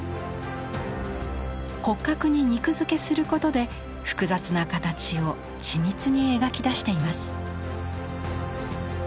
骨格に肉づけすることで複雑な形を緻密に描き出しています。